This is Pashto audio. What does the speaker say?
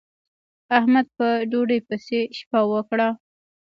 احمد په ډوډۍ پسې شپه وکړه.